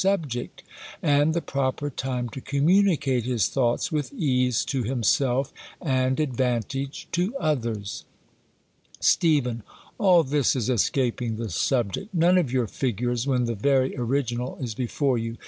subject, and the proper time to communicate his thoughts with ease to himself and advantage to others. Steph, All this is escaping the subject. None of your figures, when the very original is before you.